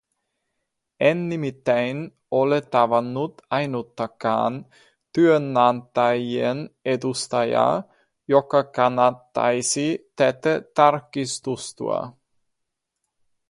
En nimittäin ole tavannut ainuttakaan työnantajien edustajaa, joka kannattaisi tätä tarkistusta.